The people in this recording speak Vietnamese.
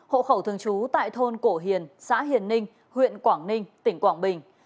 hộ khẩu thường trú tại thôn cổ hiền xã hiền ninh huyện quảng ninh tỉnh quảng bình